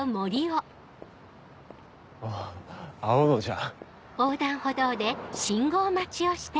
あっ青野じゃん。